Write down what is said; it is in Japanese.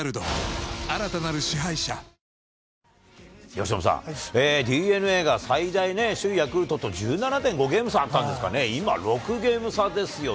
由伸さん、ＤｅＮＡが最大ね、首位ヤクルトと１７．５ゲーム差あったんですかね、今、６ゲーム差ですよ。